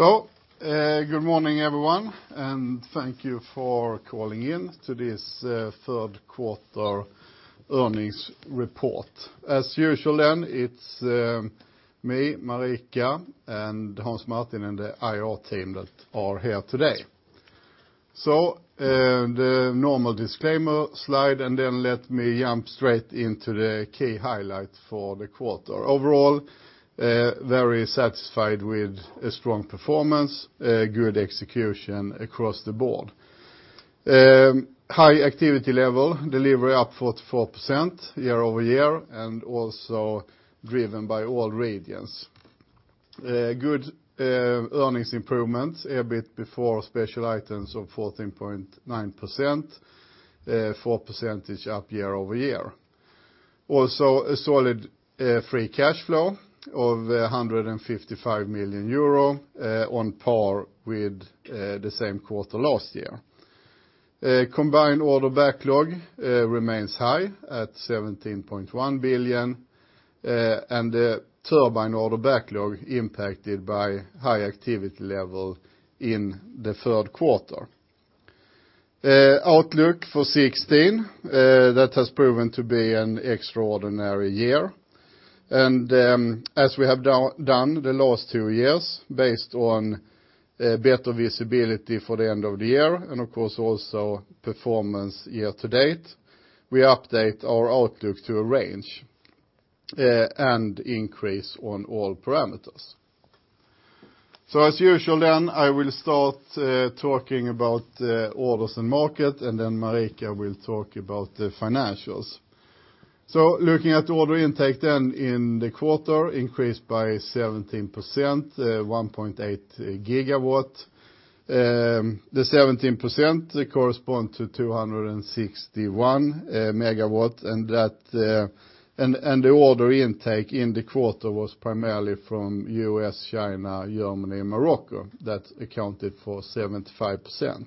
Good morning, everyone, and thank you for calling in to this third-quarter earnings report. It's me, Marika, and Hans Martin, and the IR team that are here today. The normal disclaimer slide, let me jump straight into the key highlights for the quarter. Overall, very satisfied with a strong performance, good execution across the board. High activity level, delivery up 44% year-over-year, driven by all regions. Good earnings improvements, EBIT before special items of 14.9%, 4 percentage up year-over-year. A solid free cash flow of €155 million on par with the same quarter last year. Combined order backlog remains high at 17.1 billion, the turbine order backlog impacted by high activity level in the third quarter. Outlook for 2016, that has proven to be an extraordinary year. As we have done the last two years, based on better visibility for the end of the year, performance year to date, we update our outlook to a range, increase on all parameters. I will start talking about the orders and market, Marika will talk about the financials. Looking at order intake in the quarter increased by 17%, 1.8 gigawatts. The 17% correspond to 261 megawatts, the order intake in the quarter was primarily from U.S., China, Germany, and Morocco. That accounted for 75%.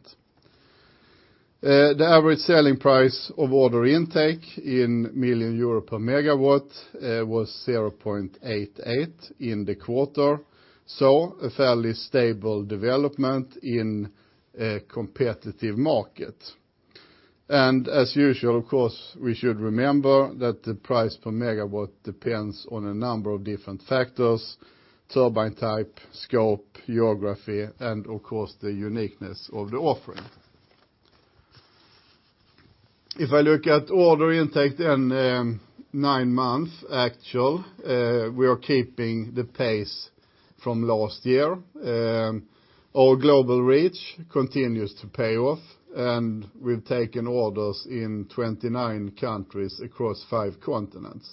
The average selling price of order intake in million euro per megawatt was 0.88 in the quarter. A fairly stable development in a competitive market. As usual, we should remember that the price per megawatt depends on a number of different factors: turbine type, scope, geography, the uniqueness of the offering. If I look at order intake, nine-month actual, we are keeping the pace from last year. Our global reach continues to pay off, we've taken orders in 29 countries across five continents.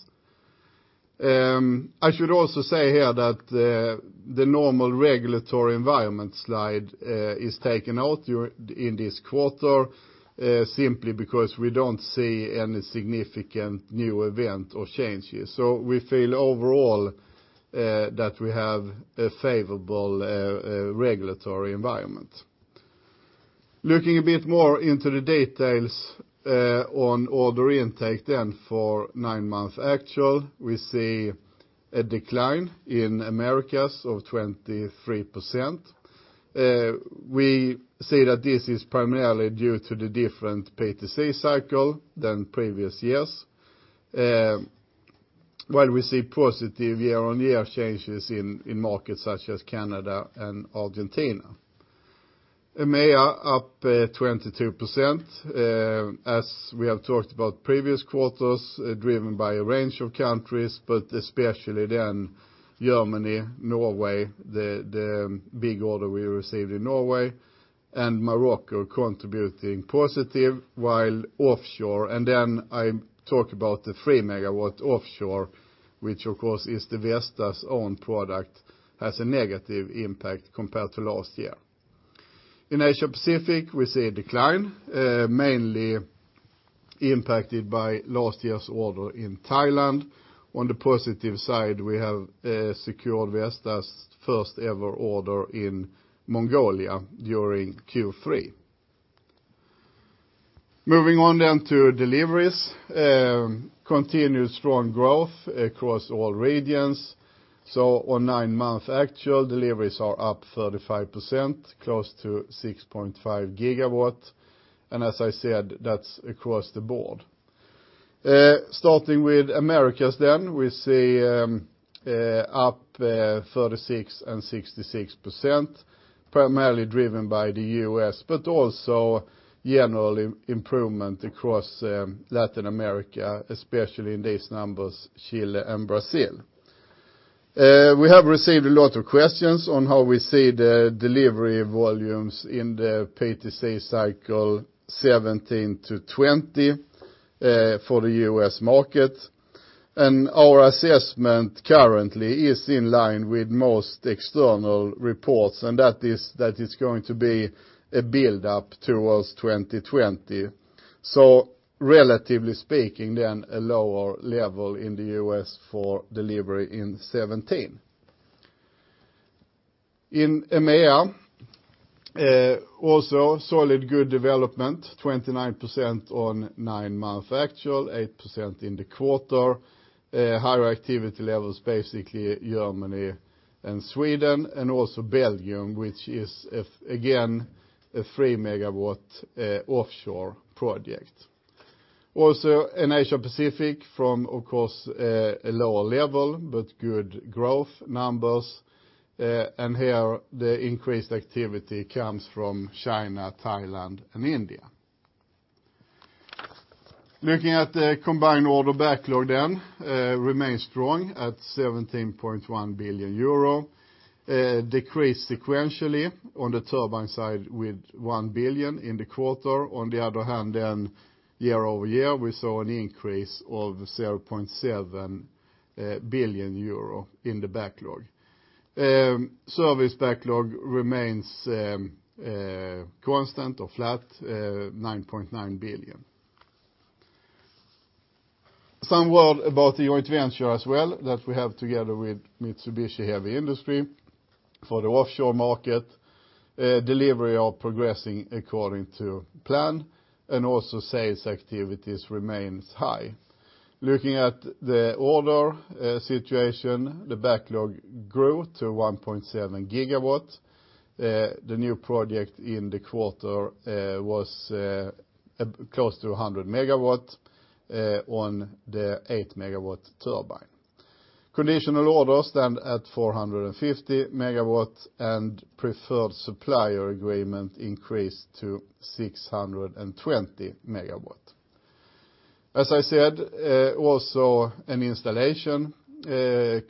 I should also say here that the normal regulatory environment slide is taken out in this quarter, simply because we don't see any significant new event or changes. We feel overall that we have a favorable regulatory environment. Looking a bit more into the details on order intake for nine-month actual, we see a decline in Americas of 23%. We see that this is primarily due to the different PTC cycle than previous years, while we see positive year-on-year changes in markets such as Canada and Argentina. EMEA up 22%, as we have talked about previous quarters, driven by a range of countries, especially Germany, Norway, the big order we received in Norway, Morocco contributing positive while offshore. I talk about the 3 megawatt offshore, which is the Vestas own product, has a negative impact compared to last year. In Asia Pacific, we see a decline, mainly impacted by last year's order in Thailand. On the positive side, we have secured Vestas' first-ever order in Mongolia during Q3. Moving on to deliveries. Continued strong growth across all regions. On nine-month actual, deliveries are up 35%, close to 6.5 gigawatts. As I said, that's across the board. Starting with Americas, we see up 36% and 66%, primarily driven by the U.S., but also general improvement across Latin America, especially in these numbers, Chile and Brazil. We have received a lot of questions on how we see the delivery volumes in the PTC cycle 2017-2020, for the U.S. market. Our assessment currently is in line with most external reports, and that is going to be a build-up towards 2020. Relatively speaking, a lower level in the U.S. for delivery in 2017. In EMEA, solid good development, 29% on nine-month actual, 8% in the quarter. Higher activity levels, basically Germany and Sweden, and also Belgium, which is, again, a 3MW offshore project. In Asia Pacific from, of course, a lower level, but good growth numbers. Here, the increased activity comes from China, Thailand, and India. Looking at the combined order backlog, remains strong at 17.1 billion euro. Decreased sequentially on the turbine side with 1 billion in the quarter. On the other hand, year-over-year, we saw an increase of 0.7 billion euro in the backlog. Service backlog remains constant or flat, 9.9 billion. Some word about the joint venture as well, that we have together with Mitsubishi Heavy Industries for the offshore market. Deliveries are progressing according to plan, and also sales activities remains high. Looking at the order situation, the backlog grew to 1.7 GW. The new project in the quarter was close to 100 MW on the 8MW turbine. Conditional orders stand at 450 MW, and preferred supplier agreement increased to 620 MW. As I said, also an installation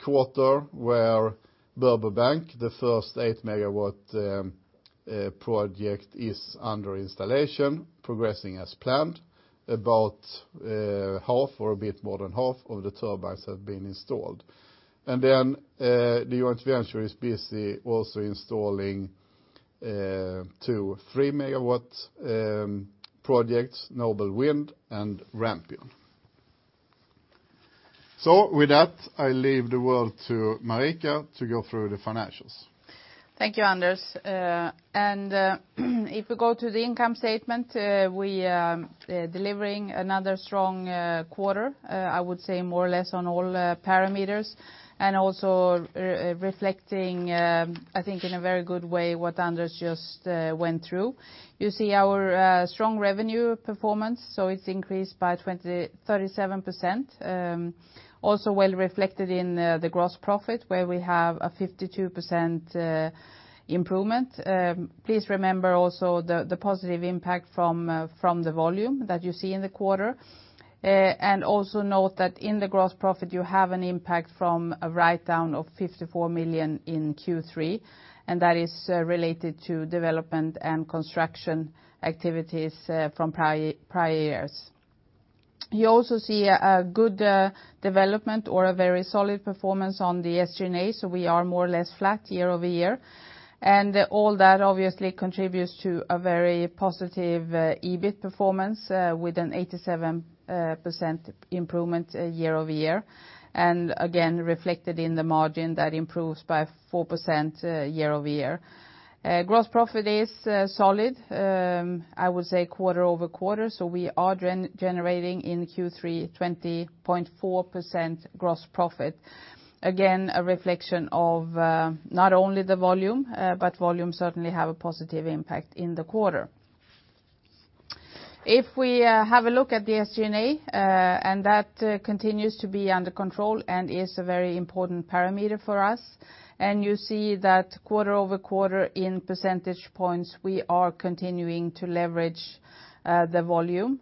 quarter where Burbo Bank, the first 8MW project, is under installation, progressing as planned. About half or a bit more than half of the turbines have been installed. The joint venture is busy also installing two 3MW projects, Nobelwind and Rampion. With that, I leave the word to Marika to go through the financials. Thank you, Anders. If we go to the income statement, we are delivering another strong quarter, I would say more or less on all parameters, and also reflecting, I think in a very good way, what Anders just went through. You see our strong revenue performance, it's increased by 37%. Well reflected in the gross profit, where we have a 52% improvement. Please remember also the positive impact from the volume that you see in the quarter. Note that in the gross profit, you have an impact from a write-down of 54 million in Q3, and that is related to development and construction activities from prior years. You also see a good development or a very solid performance on the SG&A, we are more or less flat year-over-year. All that obviously contributes to a very positive EBIT performance, with an 87% improvement year-over-year. Again, reflected in the margin that improves by 4% year-over-year. Gross profit is solid, I would say quarter-over-quarter. We are generating in Q3 20.4% gross profit. Again, a reflection of not only the volume, but volume certainly have a positive impact in the quarter. If we have a look at the SG&A, that continues to be under control and is a very important parameter for us. You see that quarter-over-quarter in percentage points, we are continuing to leverage the volume.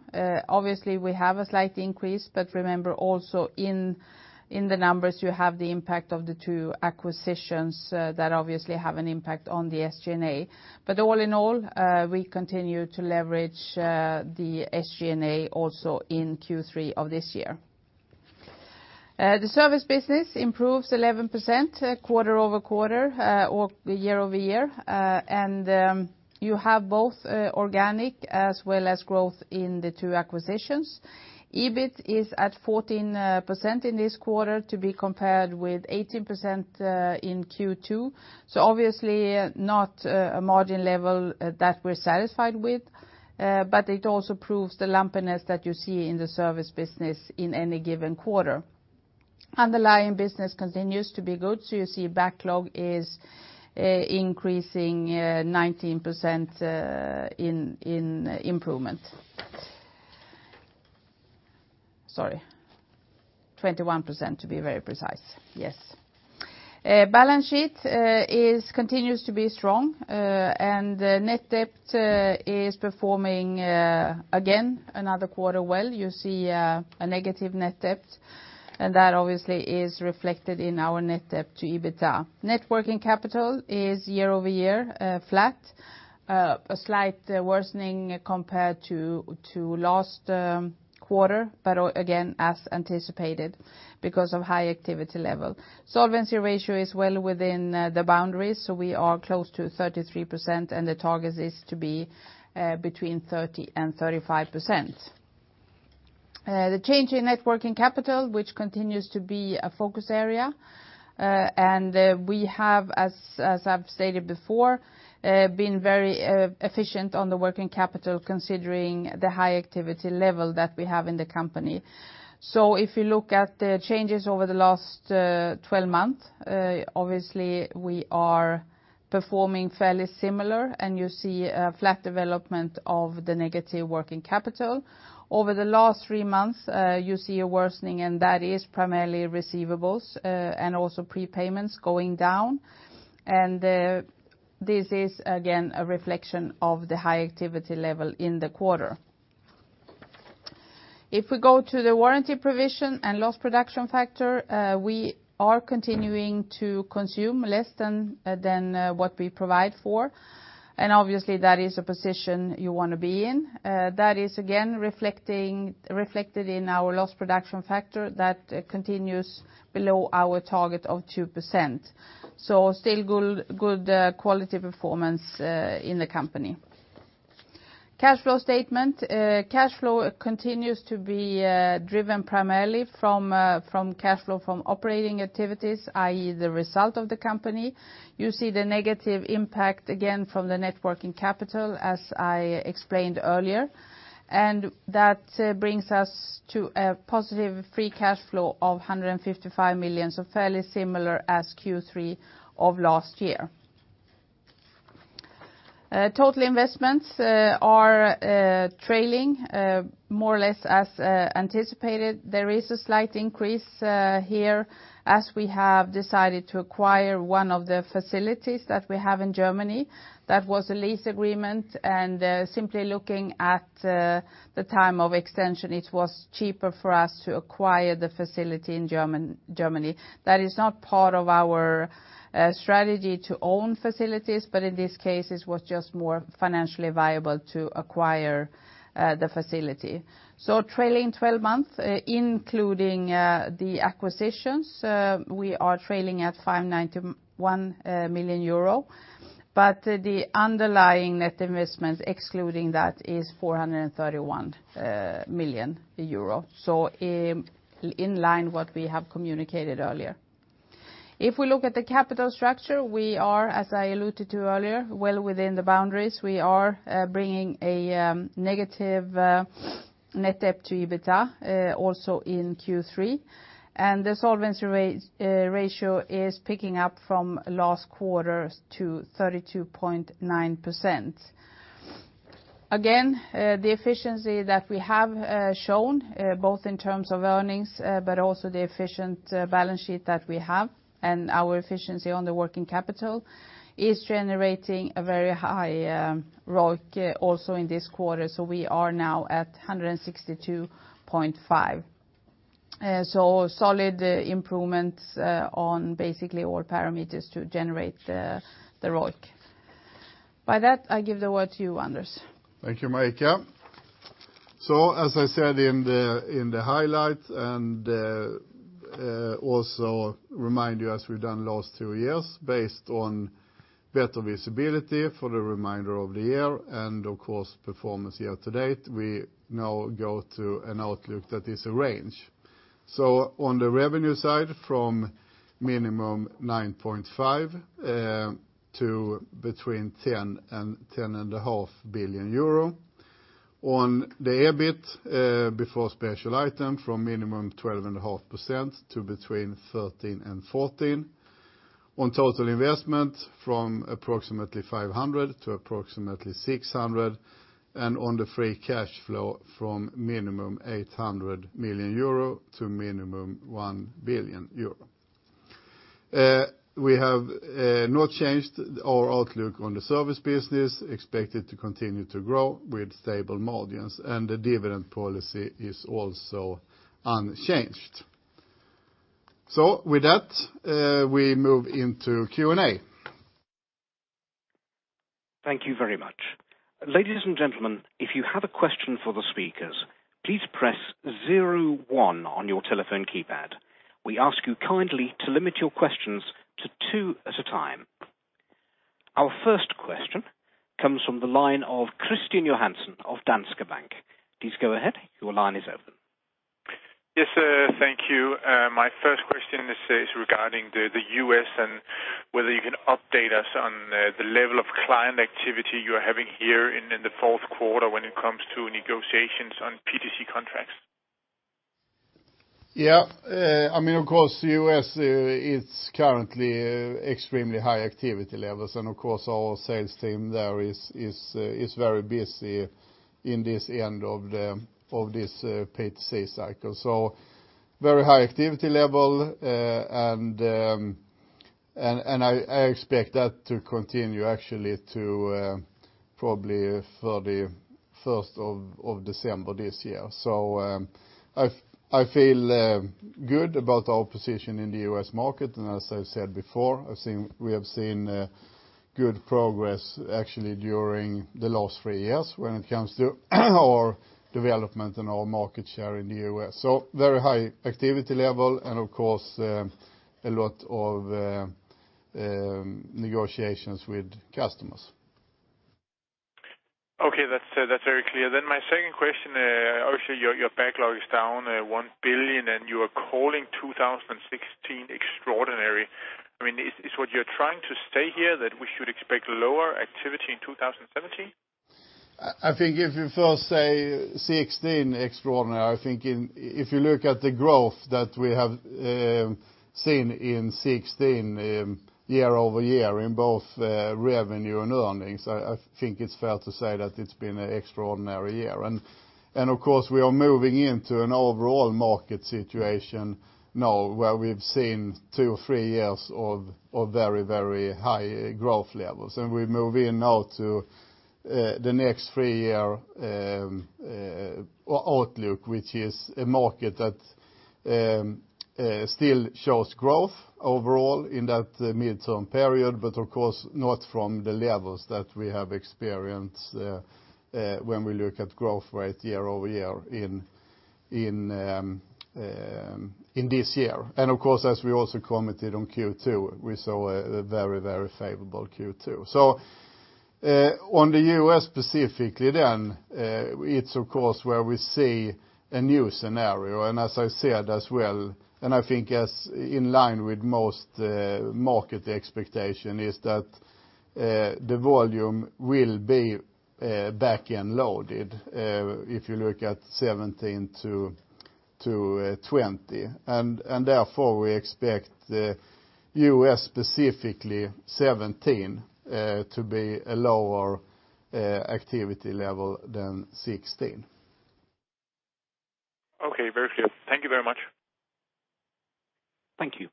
Obviously, we have a slight increase, but remember also in the numbers, you have the impact of the two acquisitions that obviously have an impact on the SG&A. All in all, we continue to leverage the SG&A also in Q3 of this year. The service business improves 11% quarter-over-quarter or year-over-year, and you have both organic as well as growth in the two acquisitions. EBIT is at 14% in this quarter, to be compared with 18% in Q2. Obviously not a margin level that we're satisfied with, but it also proves the lumpiness that you see in the service business in any given quarter. Underlying business continues to be good. You see backlog is increasing 19% in improvement. Sorry, 21%, to be very precise. Yes. Balance sheet continues to be strong. Net debt is performing again another quarter well. You see a negative net debt, and that obviously is reflected in our net debt to EBITDA. Net working capital is year-over-year flat. A slight worsening compared to last quarter, but again, as anticipated because of high activity level. Solvency ratio is well within the boundaries. We are close to 33%, and the target is to be between 30% and 35%. The change in net working capital, which continues to be a focus area. We have, as I've stated before, been very efficient on the working capital considering the high activity level that we have in the company. If you look at the changes over the last 12 months, obviously we are performing fairly similar and you see a flat development of the negative working capital. Over the last three months, you see a worsening. That is primarily receivables, and also prepayments going down. This is again a reflection of the high activity level in the quarter. If we go to the warranty provision and loss production factor, we are continuing to consume less than what we provide for. Obviously that is a position you want to be in. That is again reflected in our loss production factor that continues below our target of 2%. Still good quality performance in the company. Cash flow statement. Cash flow continues to be driven primarily from cash flow from operating activities, i.e. the result of the company. You see the negative impact again from the net working capital, as I explained earlier. That brings us to a positive free cash flow of 155 million, so fairly similar as Q3 of last year. Total investments are trailing, more or less as anticipated. There is a slight increase here as we have decided to acquire one of the facilities that we have in Germany. That was a lease agreement, and simply looking at the time of extension, it was cheaper for us to acquire the facility in Germany. That is not part of our strategy to own facilities, but in this case it was just more financially viable to acquire the facility. Trailing 12 months, including the acquisitions, we are trailing at 591 million euro, but the underlying net investment excluding that is 431 million euro. In line what we have communicated earlier. If we look at the capital structure, we are, as I alluded to earlier, well within the boundaries. We are bringing a negative net debt to EBITDA also in Q3, and the solvency ratio is picking up from last quarter to 32.9%. Again, the efficiency that we have shown, both in terms of earnings but also the efficient balance sheet that we have and our efficiency on the working capital, is generating a very high ROIC also in this quarter. We are now at 162.5%. Solid improvements on basically all parameters to generate the ROIC. By that, I give the word to you, Anders. Thank you, Marika. As I said in the highlights, and also remind you as we've done last two years, based on better visibility for the remainder of the year and of course performance year to date, we now go to an outlook that is a range. On the revenue side, from minimum 9.5 billion to between 10 billion euro and 10.5 billion euro. On the EBIT, before special item, from minimum 12.5% to between 13% and 14%. On total investment from approximately 500 million to approximately 600 million, and on the free cash flow from minimum 800 million euro to minimum 1 billion euro. We have not changed our outlook on the service business, expect it to continue to grow with stable margins, and the dividend policy is also unchanged. With that, we move into Q&A. Thank you very much. Ladies and gentlemen, if you have a question for the speakers, please press 01 on your telephone keypad. We ask you kindly to limit your questions to two at a time. Our first question comes from the line of Kristian Johansen of Danske Bank. Please go ahead. Your line is open. Yes, thank you. My first question is regarding the U.S. and whether you can update us on the level of client activity you are having here in the fourth quarter when it comes to negotiations on PTC contracts. Yeah. Of course, U.S. it's currently extremely high activity levels and of course our sales team there is very busy in this end of this PTC cycle. Very high activity level, and I expect that to continue actually to probably 31st of December this year. I feel good about our position in the U.S. market, and as I've said before, we have seen good progress actually during the last three years when it comes to our development and our market share in the U.S. Very high activity level and of course a lot of negotiations with customers. Okay, that's very clear. My second question, obviously, your backlog is down 1 billion and you are calling 2016 extraordinary. Is what you're trying to say here that we should expect lower activity in 2017? I think if you first say 2016 extraordinary, I think if you look at the growth that we have seen in 2016 year-over-year in both revenue and earnings, I think it's fair to say that it's been an extraordinary year. Of course, we are moving into an overall market situation now where we've seen two or three years of very high growth levels. We move in now to the next three-year outlook, which is a market that still shows growth overall in that midterm period, but of course not from the levels that we have experienced when we look at growth rate year-over-year in this year. Of course, as we also commented on Q2, we saw a very favorable Q2. On the U.S. specifically then, it's of course where we see a new scenario. As I said as well, and I think as in line with most market expectation, is that the volume will be back-end loaded if you look at 2017 to 2020. Therefore we expect the U.S., specifically 2017, to be a lower activity level than 2016. Okay. Very clear. Thank you very much. Thank you.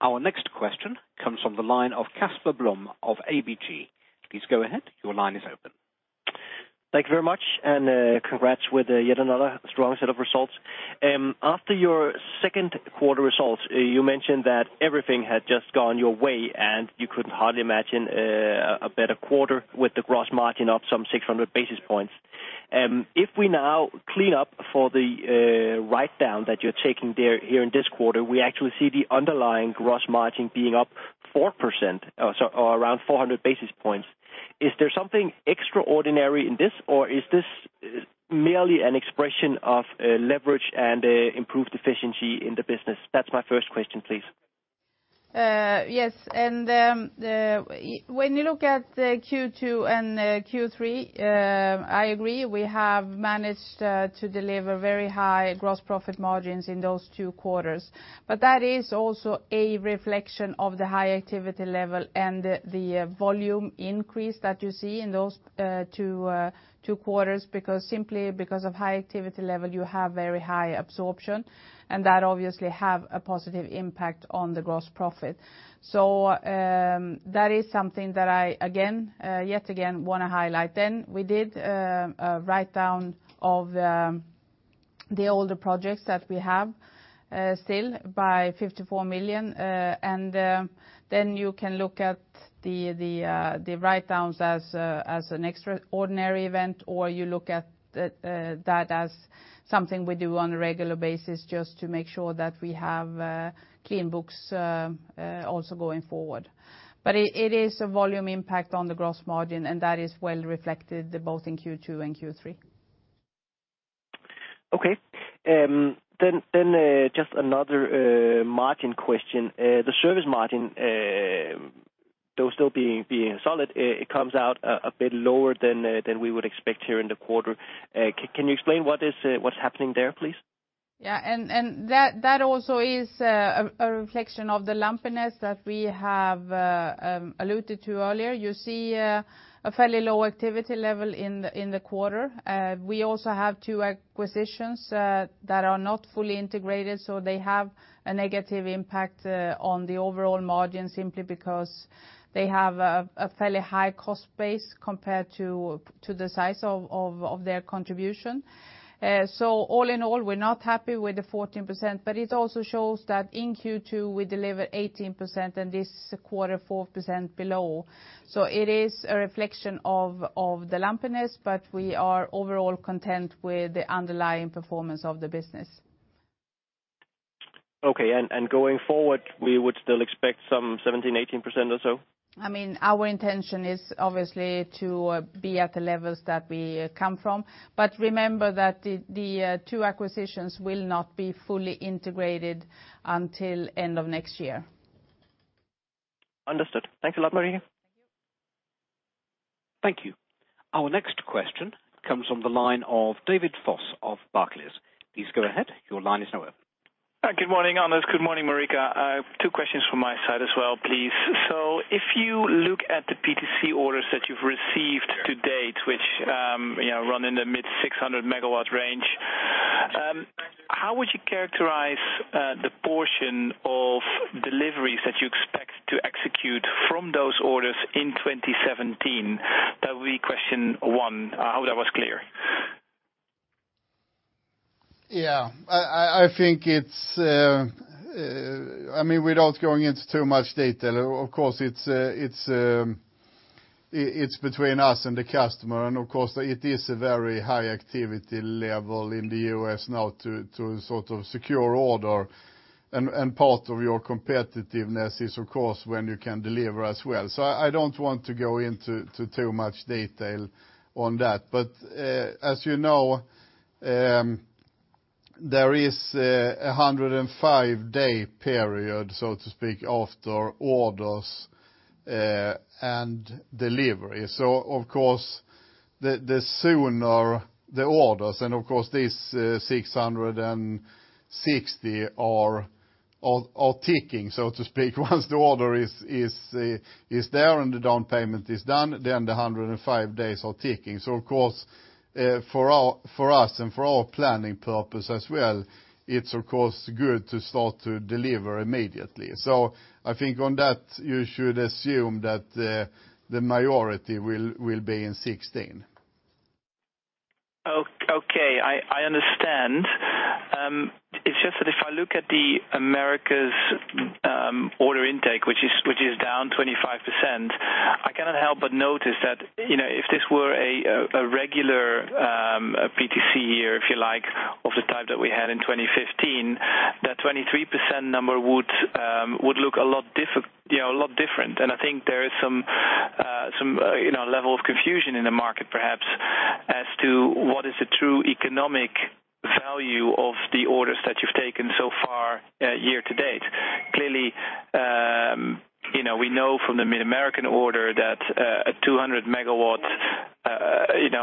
Our next question comes from the line of Casper Blom of ABG. Please go ahead. Your line is open. Thank you very much. Congrats with yet another strong set of results. After your second quarter results, you mentioned that everything had just gone your way and you couldn't hardly imagine a better quarter with the gross margin up some 600 basis points. If we now clean up for the write-down that you're taking here in this quarter, we actually see the underlying gross margin being up 4%, or around 400 basis points. Is there something extraordinary in this, or is this merely an expression of leverage and improved efficiency in the business? That's my first question, please. Yes, when you look at the Q2 and Q3, I agree, we have managed to deliver very high gross profit margins in those two quarters. That is also a reflection of the high activity level and the volume increase that you see in those two quarters. Simply because of high activity level, you have very high absorption, that obviously have a positive impact on the gross profit. That is something that I, yet again, want to highlight. We did a write-down of the older projects that we have still by 54 million. You can look at the write-downs as an extraordinary event, or you look at that as something we do on a regular basis just to make sure that we have clean books also going forward. It is a volume impact on the gross margin, and that is well reflected both in Q2 and Q3. Okay. Just another margin question. The service margin, though still being solid, it comes out a bit lower than we would expect here in the quarter. Can you explain what's happening there, please? Yeah. That also is a reflection of the lumpiness that we have alluded to earlier. You see a fairly low activity level in the quarter. We also have two acquisitions that are not fully integrated, so they have a negative impact on the overall margin, simply because they have a fairly high cost base compared to the size of their contribution. All in all, we're not happy with the 14%, but it also shows that in Q2 we delivered 18%, and this quarter, 4% below. It is a reflection of the lumpiness, but we are overall content with the underlying performance of the business. Okay. Going forward, we would still expect some 17, 18% or so? Our intention is obviously to be at the levels that we come from. Remember that the two acquisitions will not be fully integrated until end of next year. Understood. Thanks a lot, Marika. Thank you. Our next question comes from the line of David Vos of Barclays. Please go ahead. Your line is now open. Hi. Good morning, Anders. Good morning, Marika. Two questions from my side as well, please. If you look at the PTC orders that you've received to date, which run in the mid 600 megawatt range, how would you characterize the portion of deliveries that you expect to execute from those orders in 2017? That will be question one. I hope that was clear. Yeah. Without going into too much detail, of course, it's between us and the customer, of course it is a very high activity level in the U.S. now to sort of secure order. Part of your competitiveness is of course when you can deliver as well. I don't want to go into too much detail on that. As you know. There is 105-day period, so to speak, after orders and delivery. Of course, the sooner the orders, and of course this 660 are ticking, so to speak. Once the order is there and the down payment is done, then the 105 days are ticking. Of course, for us and for our planning purpose as well, it's of course good to start to deliver immediately. I think on that, you should assume that the majority will be in 2016. Okay. I understand. It's just that if I look at the U.S.'s order intake, which is down 25%, I cannot help but notice that, if this were a regular PTC year, if you like, of the type that we had in 2015, that 23% number would look a lot different. I think there is some level of confusion in the market perhaps as to what is the true economic value of the orders that you've taken so far year to date. Clearly, we know from the MidAmerican order that a 200 MW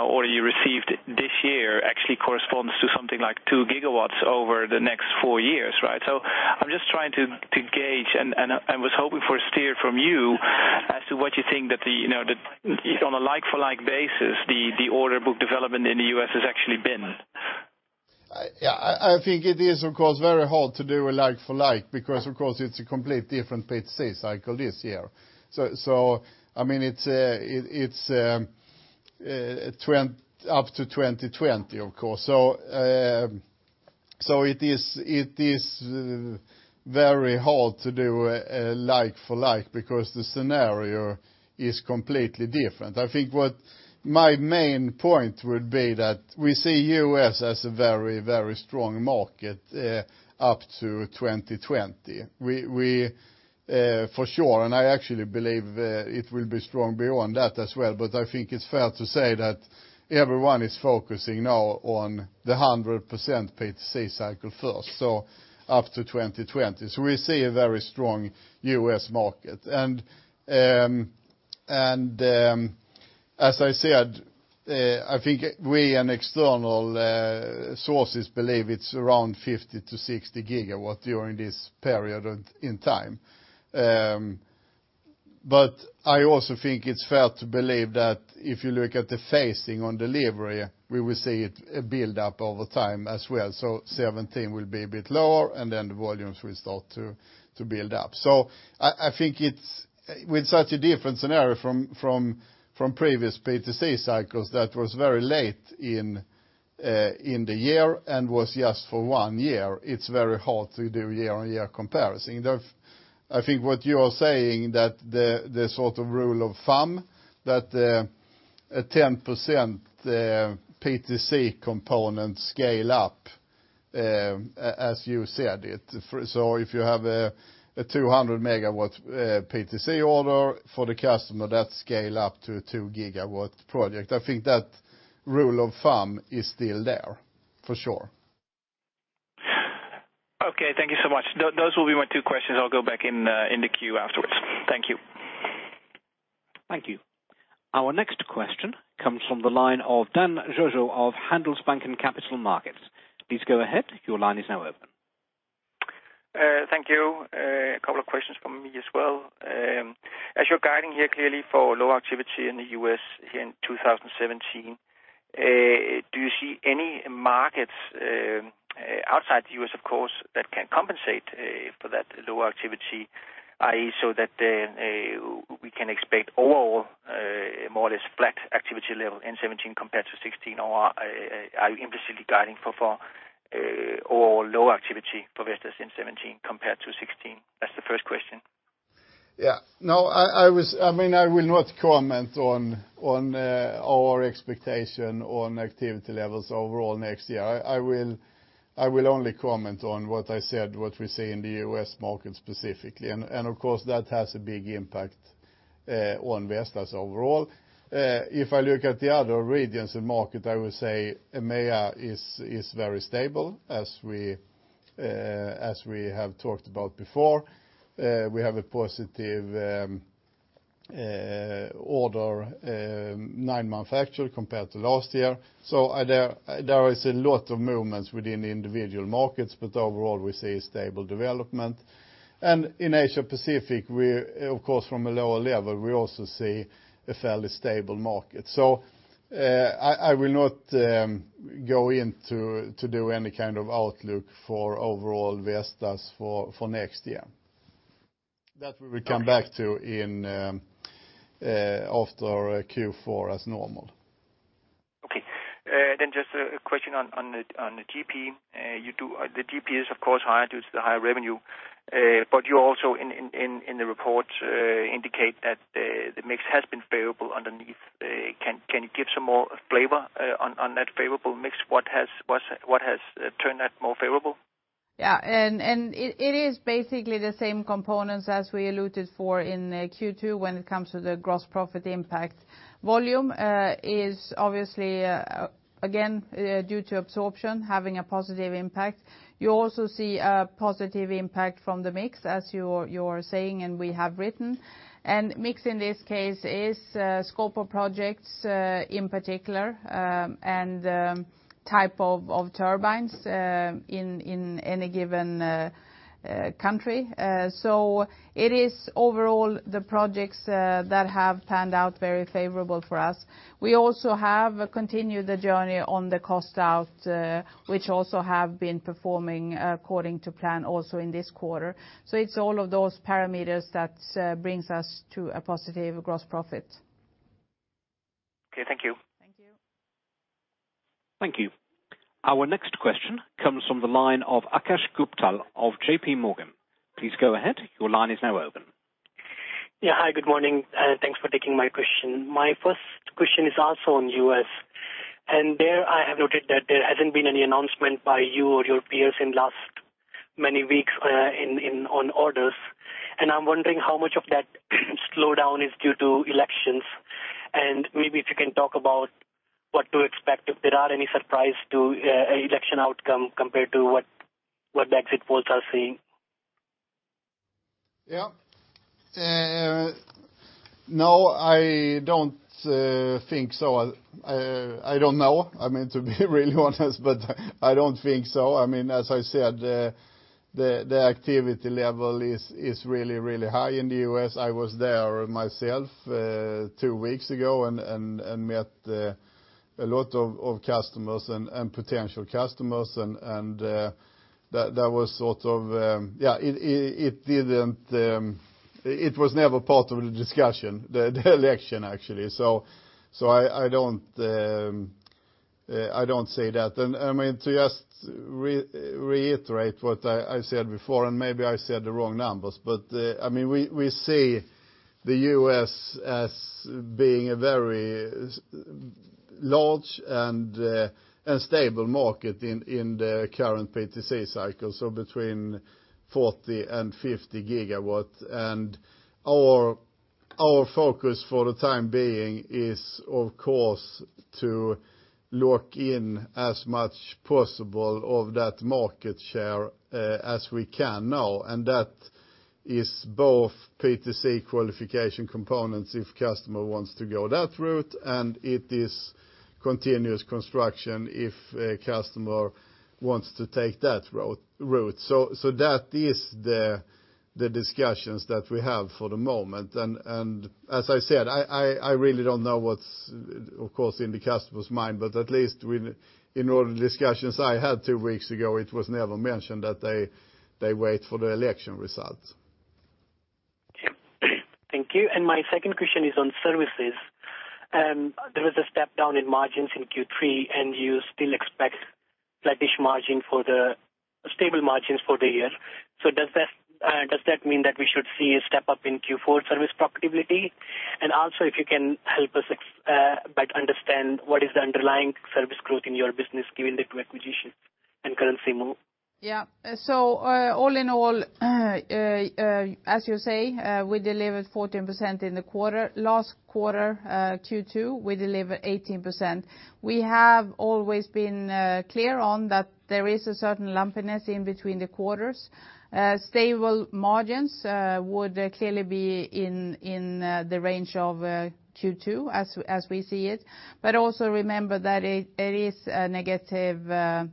order you received this year actually corresponds to something like 2 GW over the next four years, right? I'm just trying to gauge and was hoping for a steer from you as to what you think that, on a like-for-like basis, the order book development in the U.S. has actually been. Yeah. I think it is, of course, very hard to do a like for like, because, of course, it's a complete different PTC cycle this year. It's up to 2020, of course. It is very hard to do a like for like because the scenario is completely different. I think what my main point would be that we see U.S. as a very, very strong market up to 2020. For sure, and I actually believe it will be strong beyond that as well, but I think it's fair to say that everyone is focusing now on the 100% PTC cycle first, so up to 2020. We see a very strong U.S. market. As I said, I think we and external sources believe it's around 50-60 GW during this period in time. I also think it's fair to believe that if you look at the phasing on delivery, we will see it build up over time as well. 2017 will be a bit lower, and then the volumes will start to build up. I think with such a different scenario from previous PTC cycles that was very late in the year and was just for one year, it's very hard to do year-on-year comparison. I think what you are saying that the sort of rule of thumb that a 10% PTC component scale up, as you said it. If you have a 200 MW PTC order for the customer, that scale up to 2 GW project. I think that rule of thumb is still there, for sure. Okay. Thank you so much. Those will be my two questions. I'll go back in the queue afterwards. Thank you. Thank you. Our next question comes from the line of [Dan Jojo] of Handelsbanken Capital Markets. Please go ahead. Your line is now open. Thank you. A couple of questions from me as well. As you're guiding here clearly for low activity in the U.S. in 2017, do you see any markets, outside the U.S. of course, that can compensate for that lower activity, i.e., so that we can expect overall more or less flat activity level in 2017 compared to 2016, or are you implicitly guiding for overall low activity for Vestas in 2017 compared to 2016? That's the first question. Yeah. No, I will not comment on our expectation on activity levels overall next year. I will only comment on what I said, what we see in the U.S. market specifically. Of course, that has a big impact on Vestas overall. If I look at the other regions and market, I would say EMEA is very stable as we have talked about before. We have a positive order nine-month actual compared to last year. There is a lot of movements within the individual markets, but overall, we see a stable development. In Asia-Pacific, of course, from a lower level, we also see a fairly stable market. I will not go in to do any kind of outlook for overall Vestas for next year. That we will come back to after Q4 as normal. Okay. Just a question on the GP. The GP is of course higher due to the higher revenue. You also in the report indicate that the mix has been favorable underneath. Can you give some more flavor on that favorable mix? Yeah, it is basically the same components as we alluded for in Q2 when it comes to the gross profit impact. Volume is obviously, again, due to absorption, having a positive impact. You also see a positive impact from the mix, as you're saying, and we have written. Mix in this case is scope of projects, in particular, and type of turbines in any given country. It is overall the projects that have panned out very favorable for us. We also have continued the journey on the cost out, which also have been performing according to plan also in this quarter. It's all of those parameters that brings us to a positive gross profit. Okay, thank you. Thank you. Thank you. Our next question comes from the line of Akash Gupta of J.P. Morgan. Please go ahead. Your line is now open. Yeah. Hi, good morning, thanks for taking my question. My first question is also on U.S., there I have noted that there hasn't been any announcement by you or your peers in last many weeks on orders, I'm wondering how much of that slowdown is due to elections. Maybe if you can talk about what to expect, if there are any surprise to election outcome compared to what the exit polls are seeing? Yeah. No, I don't think so. I don't know. I mean, to be really honest, I don't think so. As I said, the activity level is really, really high in the U.S. I was there myself two weeks ago met a lot of customers and potential customers, that was sort of It was never part of the discussion, the election, actually. I don't say that. To just reiterate what I said before, maybe I said the wrong numbers, we see the U.S. as being a very large and stable market in the current PTC cycle, so between 40 and 50 gigawatts. Our focus for the time being is, of course, to lock in as much possible of that market share as we can now, that is both PTC qualification components if customer wants to go that route, it is continuous construction if a customer wants to take that route. That is the discussions that we have for the moment. As I said, I really don't know what's, of course, in the customer's mind, at least in all the discussions I had two weeks ago, it was never mentioned that they wait for the election results. Thank you. My second question is on services. There was a step down in margins in Q3, and you still expect flattish margin for the stable margins for the year. Does that mean that we should see a step up in Q4 service profitability? Also, if you can help us better understand what is the underlying service growth in your business, given the two acquisitions and currency move? Yeah. All in all, as you say, we delivered 14% in the quarter. Last quarter, Q2, we delivered 18%. We have always been clear on that there is a certain lumpiness in between the quarters. Stable margins would clearly be in the range of Q2, as we see it. Also remember that it is a negative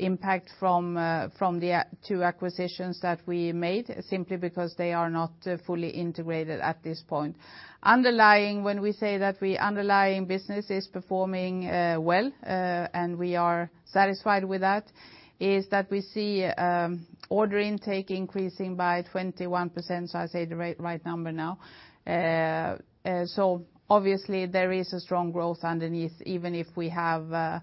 impact from the two acquisitions that we made, simply because they are not fully integrated at this point. Underlying, when we say that the underlying business is performing well, and we are satisfied with that, is that we see order intake increasing by 21%, so I say the right number now. Obviously there is a strong growth underneath, even if we have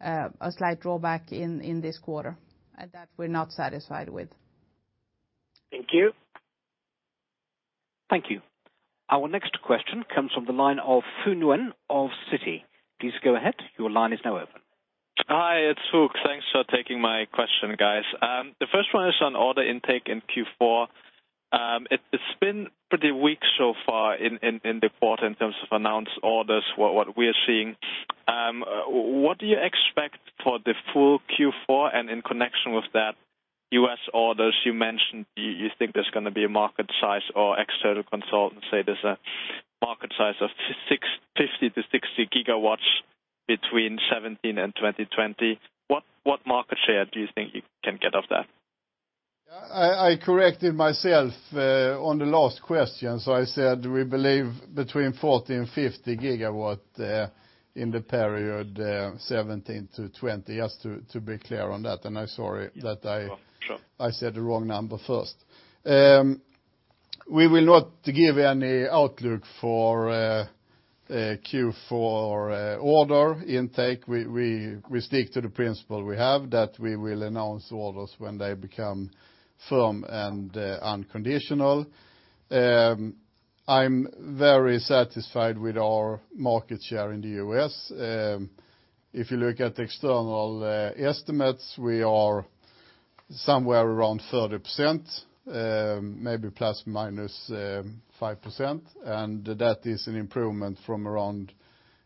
a slight drawback in this quarter, and that we're not satisfied with. Thank you. Thank you. Our next question comes from the line of Phuc Nguyen of Citi. Please go ahead. Your line is now open. Hi, it's Phuc. Thanks for taking my question, guys. The first one is on order intake in Q4. It's been pretty weak so far in the quarter in terms of announced orders, what we're seeing. What do you expect for the full Q4? In connection with that, U.S. orders, you mentioned you think there's going to be a market size, or external consultants say there's a market size of 50-60 gigawatts between 2017 and 2020. What market share do you think you can get of that? I corrected myself on the last question. I said we believe between 40-50 gigawatts in the period 2017 to 2020, just to be clear on that. Sure I said the wrong number first. We will not give any outlook for Q4 order intake. We stick to the principle we have, that we will announce orders when they become firm and unconditional. I'm very satisfied with our market share in the U.S. If you look at external estimates, we are somewhere around 30%, maybe ±5%, and that is an improvement from around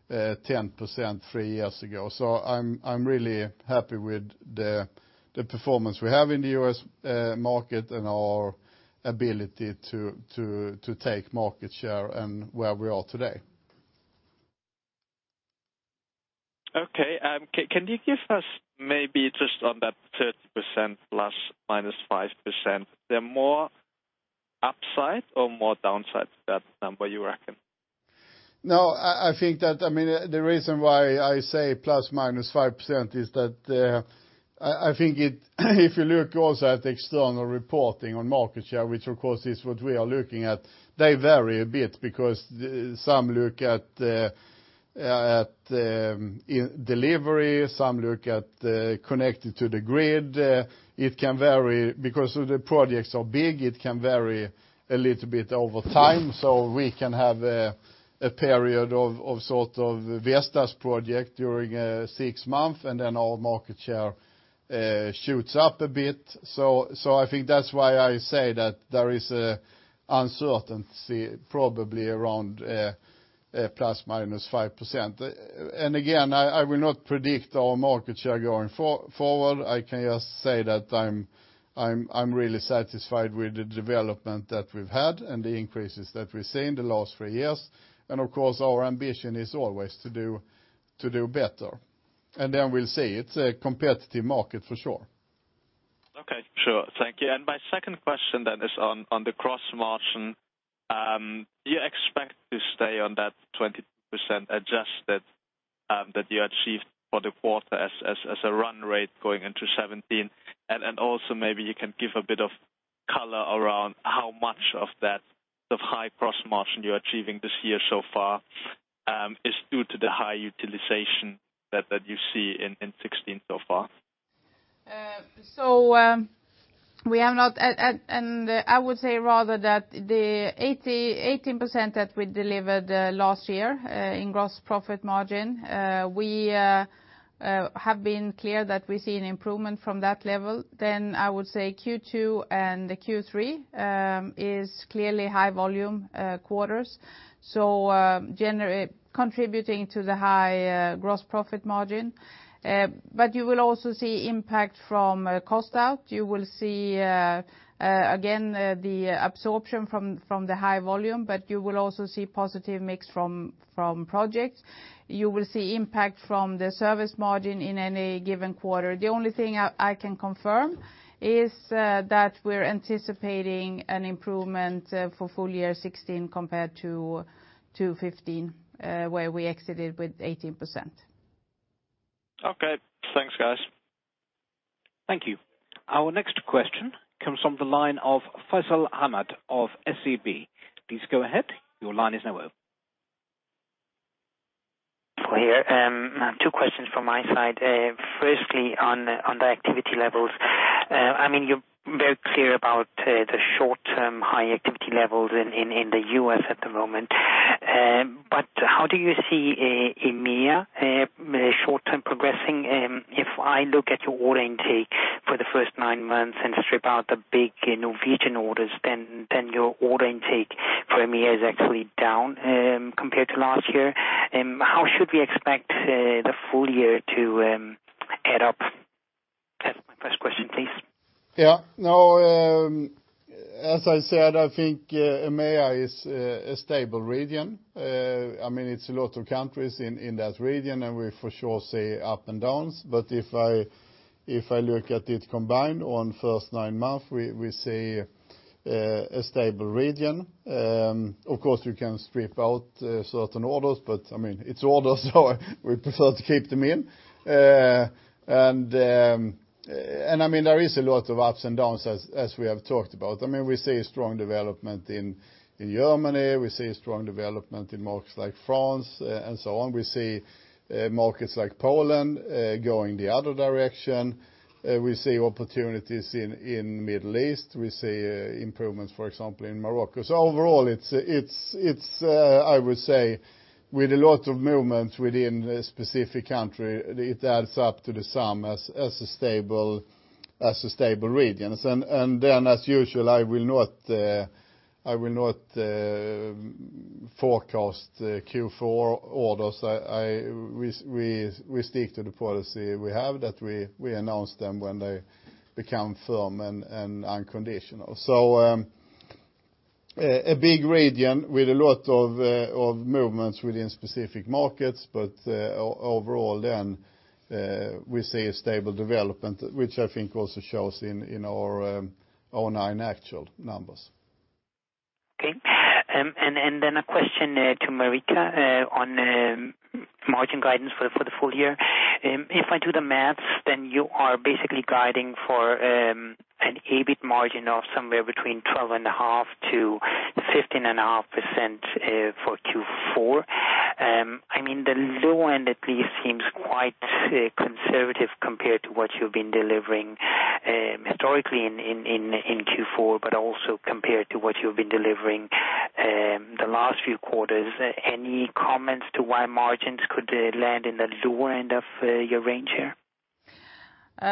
10% three years ago. I'm really happy with the performance we have in the U.S. market and our ability to take market share and where we are today. Okay. Can you give us, maybe just on that 30% ±5%, the more upside or more downside to that number, you reckon? The reason why I say ±5% is that, if you look also at the external reporting on market share, which of course is what we are looking at, they vary a bit because some look at delivery, some look at connected to the grid. The projects are big, it can vary a little bit over time. We can have a period of Vestas project during six months, and then our market share shoots up a bit. I think that's why I say that there is uncertainty, probably around ±5%. Again, I will not predict our market share going forward. I can just say that I'm really satisfied with the development that we've had and the increases that we've seen the last three years. Of course, our ambition is always to do better. We'll see. It's a competitive market, for sure. Okay, sure. Thank you. My second question then is on the gross margin. Do you expect to stay on that 20% adjusted that you achieved for the quarter as a run rate going into 2017? Also maybe you can give a bit of color around how much of that high gross margin you're achieving this year so far is due to the high utilization that you see in 2016 so far. I would say rather that the 18% that we delivered last year in gross profit margin, we have been clear that we see an improvement from that level. I would say Q2 and Q3 are clearly high volume quarters, so contributing to the high gross profit margin. You will also see impact from cost out. You will see, again, the absorption from the high volume, but you will also see positive mix from projects. You will see impact from the service margin in any given quarter. The only thing I can confirm is that we're anticipating an improvement for full year 2016 compared to 2015, where we exited with 18%. Okay. Thanks, guys. Thank you. Our next question comes from the line of Faisal Ahmad of SEB. Please go ahead. Your line is now open. We're here. Two questions from my side. Firstly, on the activity levels. You're very clear about the short-term high activity levels in the U.S. at the moment. How do you see EMEA short term progressing? If I look at your order intake for the first nine months and strip out the big Norwegian orders, your order intake for EMEA is actually down compared to last year. How should we expect the full year to add up? That's my first question, please. Yeah. As I said, I think EMEA is a stable region. It's a lot of countries in that region. We for sure see up and downs. If I look at it combined on first nine months, we see a stable region. Of course, you can strip out certain orders, but it's orders, we prefer to keep them in. There is a lot of ups and downs as we have talked about. We see a strong development in Germany. We see a strong development in markets like France and so on. We see markets like Poland going the other direction. We see opportunities in Middle East. We see improvements, for example, in Morocco. Overall, I would say with a lot of movements within a specific country, it adds up to the sum as a stable region. As usual, I will not forecast the Q4 orders. We stick to the policy we have that we announce them when they become firm and unconditional. A big region with a lot of movements within specific markets, but overall then, we see a stable development, which I think also shows in our nine actual numbers. Okay. A question to Marika on margin guidance for the full year. If I do the maths, then you are basically guiding for an EBIT margin of somewhere between 12.5%-15.5% for Q4. I mean, the low end at least seems quite conservative compared to what you've been delivering historically in Q4, but also compared to what you've been delivering the last few quarters. Any comments to why margins could land in the lower end of your range here? We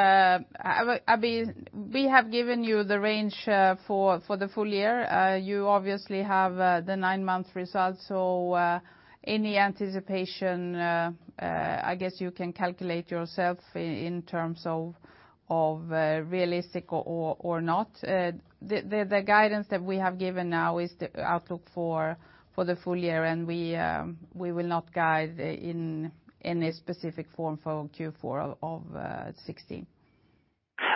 have given you the range for the full year. You obviously have the nine-month results, any anticipation, I guess you can calculate yourself in terms of realistic or not. The guidance that we have given now is the outlook for the full year. We will not guide in a specific form for Q4 of 2016. Okay.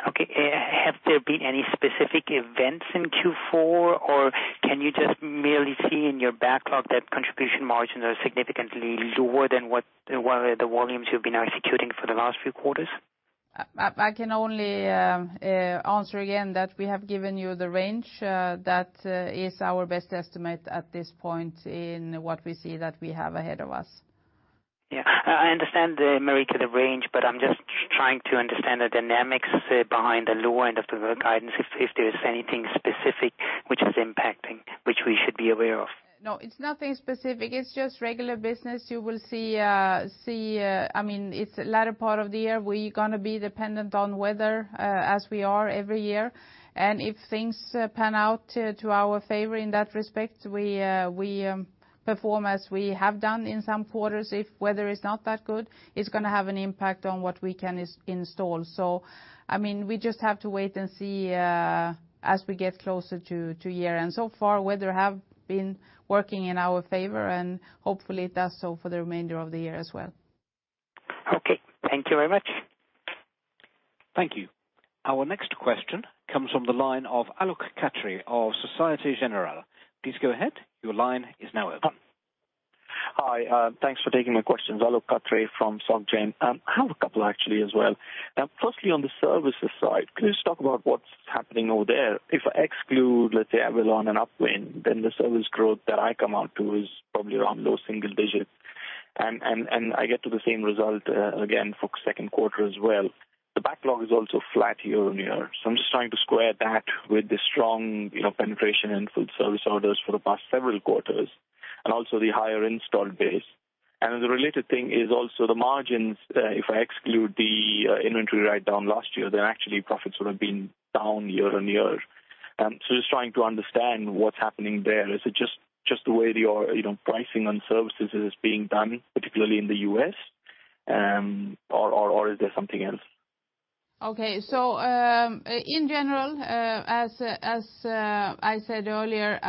Have there been any specific events in Q4, or can you just merely see in your backlog that contribution margins are significantly lower than the volumes you've been executing for the last few quarters? I can only answer again that we have given you the range. That is our best estimate at this point in what we see that we have ahead of us. I understand, Marika, to the range, but I'm just trying to understand the dynamics behind the lower end of the guidance, if there is anything specific which is impacting, which we should be aware of. No, it's nothing specific. It's just regular business. It's the latter part of the year. We're going to be dependent on weather, as we are every year. If things pan out to our favor in that respect, we perform as we have done in some quarters. If weather is not that good, it's going to have an impact on what we can install. We just have to wait and see as we get closer to year-end. So far, weather have been working in our favor, and hopefully it does so for the remainder of the year as well. Okay. Thank you very much. Thank you. Our next question comes from the line of Alok Katre of Societe Generale. Please go ahead. Your line is now open. Hi, thanks for taking my questions. Alok Katre from Soc Gen. I have a couple actually as well. Firstly, on the services side, can you just talk about what's happening over there? If I exclude, let's say, Availon and UpWind, then the service growth that I come out to is probably around low single digits. I get to the same result again for second quarter as well. The backlog is also flat year-on-year. I'm just trying to square that with the strong penetration in full service orders for the past several quarters, and also the higher installed base. The related thing is also the margins. If I exclude the inventory write-down last year, then actually profits would have been down year-on-year. I'm just trying to understand what's happening there. Is it just the way your pricing on services is being done, particularly in the U.S., or is there something else? Okay. In general, as I said earlier,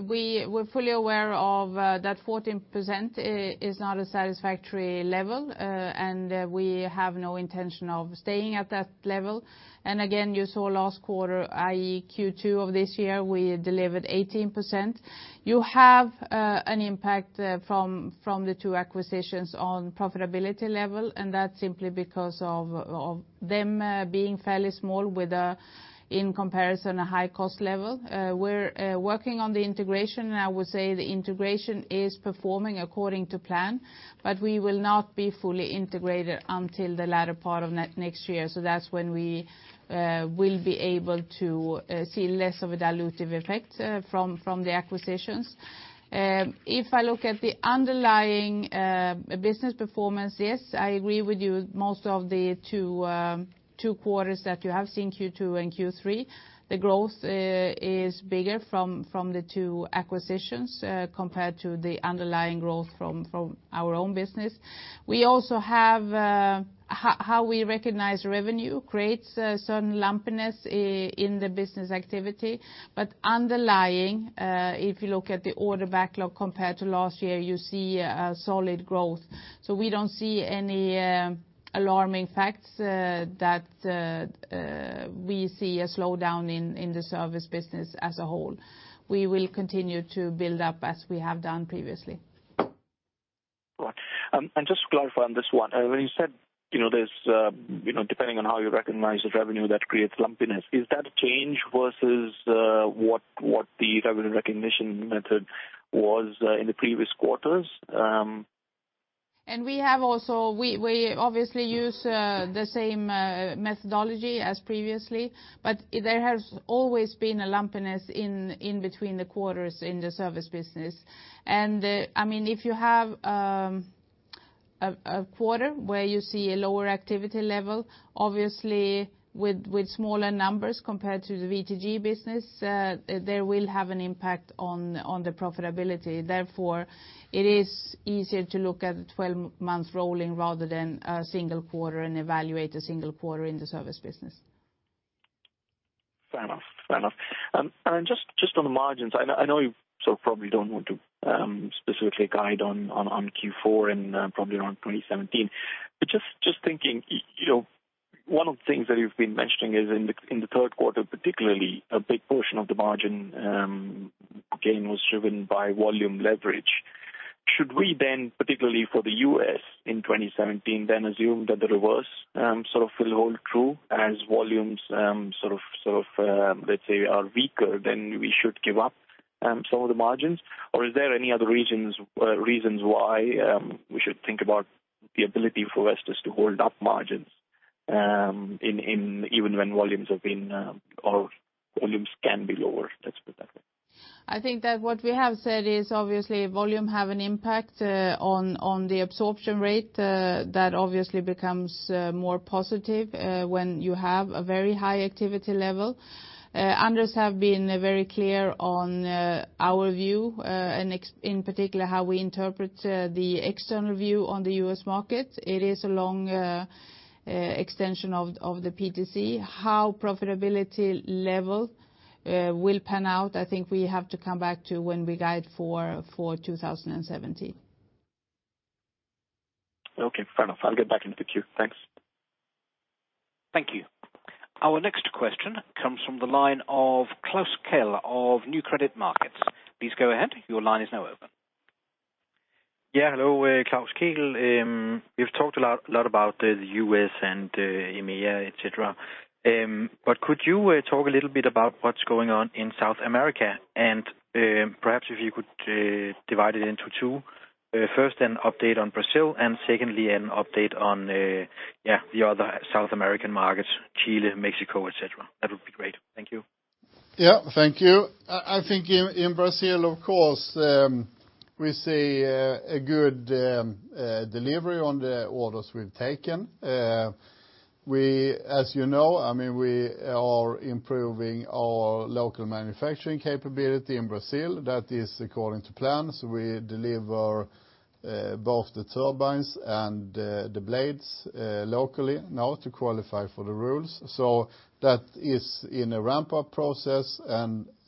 we're fully aware of that 14% is not a satisfactory level, and we have no intention of staying at that level. Again, you saw last quarter, i.e., Q2 of this year, we delivered 18%. You have an impact from the two acquisitions on profitability level, and that's simply because of them being fairly small in comparison to high cost level. We're working on the integration, and I would say the integration is performing according to plan, but we will not be fully integrated until the latter part of next year. That's when we will be able to see less of a dilutive effect from the acquisitions. If I look at the underlying business performance, yes, I agree with you, most of the two quarters that you have seen, Q2 and Q3, the growth is bigger from the two acquisitions compared to the underlying growth from our own business. How we recognize revenue creates a certain lumpiness in the business activity, but underlying, if you look at the order backlog compared to last year, you see a solid growth. We don't see any alarming facts that we see a slowdown in the service business as a whole. We will continue to build up as we have done previously. Right. Just to clarify on this one, when you said, depending on how you recognize the revenue that creates lumpiness, is that a change versus what the revenue recognition method was in the previous quarters? We obviously use the same methodology as previously, there has always been a lumpiness in between the quarters in the service business. If you have a quarter where you see a lower activity level, obviously with smaller numbers compared to the [V2G] business, they will have an impact on the profitability. It is easier to look at a 12-month rolling rather than a single quarter and evaluate a single quarter in the service business. Fair enough. Just on the margins, I know you probably don't want to specifically guide on Q4 and probably around 2017, but just thinking, one of the things that you've been mentioning is in the third quarter particularly, a big portion of the margin gain was driven by volume leverage. Should we then, particularly for the U.S. in 2017, then assume that the reverse will hold true as volumes, let's say, are weaker, then we should give up some of the margins? Is there any other reasons why we should think about the ability for Vestas to hold up margins? Even when volumes can be lower. Let's put that way. I think that what we have said is obviously volume have an impact on the absorption rate, that obviously becomes more positive when you have a very high activity level. Anders have been very clear on our view, and in particular, how we interpret the external view on the U.S. market. It is a long extension of the PTC, how profitability level will pan out, I think we have to come back to when we guide for 2017. Okay, fair enough. I'll get back into the queue. Thanks. Thank you. Our next question comes from the line of Klaus Kehl of Nykredit Markets. Please go ahead. Your line is now open. Hello. Klaus Kehl. You've talked a lot about the U.S. and EMEA, et cetera. Could you talk a little bit about what's going on in South America? Perhaps if you could divide it into two. First, an update on Brazil, and secondly, an update on the other South American markets, Chile, Mexico, et cetera. That would be great. Thank you. Yeah, thank you. I think in Brazil, of course, we see a good delivery on the orders we've taken. As you know, we are improving our local manufacturing capability in Brazil. That is according to plans. We deliver both the turbines and the blades locally now to qualify for the rules. That is in a ramp-up process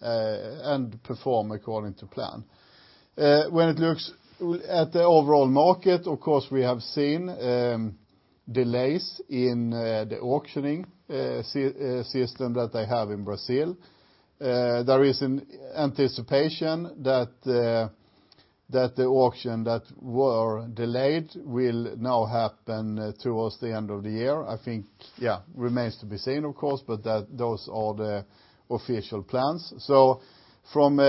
and perform according to plan. When it looks at the overall market, of course, we have seen delays in the auctioning system that they have in Brazil. There is an anticipation that the auction that were delayed will now happen towards the end of the year. I think remains to be seen, of course, but those are the official plans. From